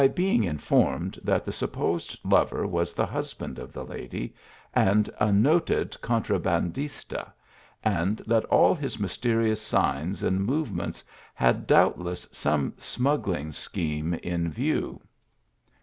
being informed that the supposed lover was the husband of the lady, and a noted contrabandista . and that all his mysterious signs and movements had doubtless some smuggling scheme in view.